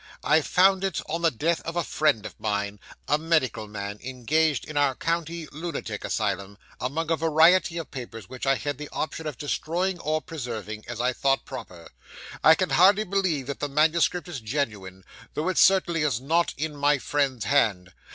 I found it on the death of a friend of mine a medical man, engaged in our county lunatic asylum among a variety of papers, which I had the option of destroying or preserving, as I thought proper. I can hardly believe that the manuscript is genuine, though it certainly is not in my friend's hand.